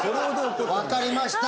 わかりました。